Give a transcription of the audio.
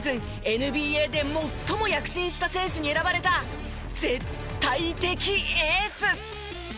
ＮＢＡで最も躍進した選手に選ばれた絶対的エース。